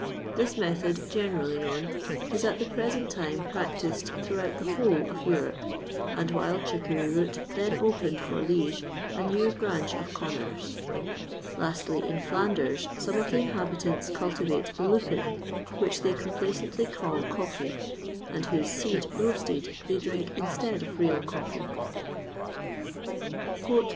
This method, generally known, is at the present time practised throughout the whole of Europe; and wild chicory root then opened for Liege a new branch of commerce. Lastly, in Flanders some of the inhabitants cultivate the lupin, which they complacently call coffee, and whose seed, roasted, they drink instead of real coffee.